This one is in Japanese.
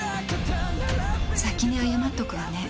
先に謝っておくわね。